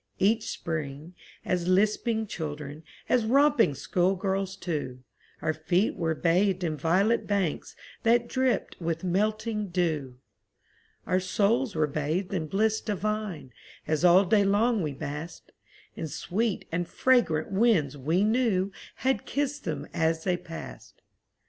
Each spring, as lisping children, As romping schoolgirls, too, Our feet were bathed in violet banks That dripped with melting dew; Our souls were bathed in bliss divine, As all day long we basked In sweet and fragrant winds we knew Had kissed them as they passed.